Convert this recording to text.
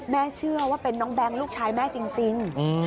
เชื่อว่าเป็นน้องแบงค์ลูกชายแม่จริง